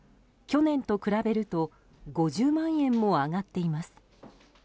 去年と比べると５０万円も上がっています。